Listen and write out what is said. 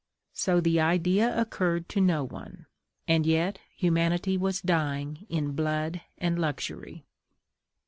So the idea occurred to no one; and yet humanity was dying in blood and luxury.